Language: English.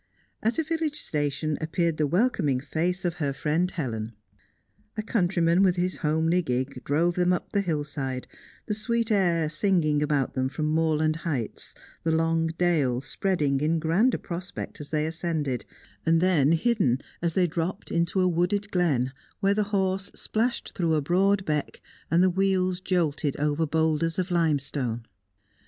At a village station appeared the welcoming face of her friend Helen. A countryman with his homely gig drove them up the hillside, the sweet air singing about them from moorland heights, the long dale spreading in grander prospect as they ascended, then hidden as they dropped into a wooded glen, where the horse splashed through a broad beck and the wheels jolted over boulders of limestone.